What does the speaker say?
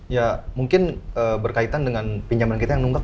ya mungkin berkaitan dengan pinjaman kita yang nunggu pak